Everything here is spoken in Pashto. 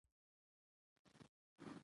سیندونه د افغان کورنیو د دودونو مهم عنصر دی.